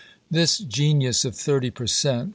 This genius of thirty per cent.